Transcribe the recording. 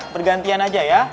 bergantian aja ya